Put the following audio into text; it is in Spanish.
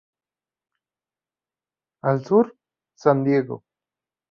Al sur, San Diego.